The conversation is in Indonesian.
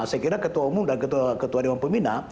saya kira ketua umum dan ketua dewan pembina